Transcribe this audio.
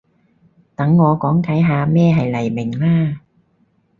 等我講解下咩係黎明啦